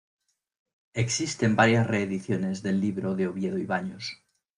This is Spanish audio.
Existen varias reediciones del libro de Oviedo y Baños.